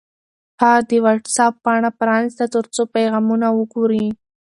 هغه د وټس-اپ پاڼه پرانیسته ترڅو پیغامونه وګوري.